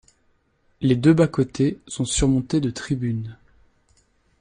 Les deux bas-côtés sont surmontés de tribunes.